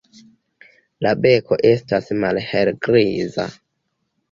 La beko estas malhelgriza.